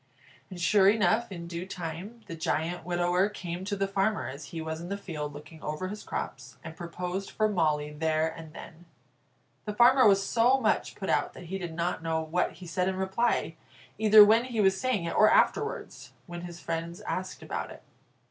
And sure enough, in due time, the giant widower came to the farmer as he was in the field looking over his crops, and proposed for Molly there and then. The farmer was so much put out that he did not know what he said in reply, either when he was saying it, or afterwards, when his friends asked about it.